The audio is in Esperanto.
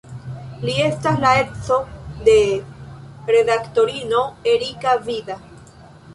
Li estas la edzo de redaktorino Erika Vida.